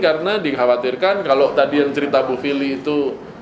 karena dikhawatirkan kalau tadi yang cerita bu fili itu